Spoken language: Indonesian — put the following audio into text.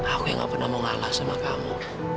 aku yang gak pernah mau ngalah sama kamu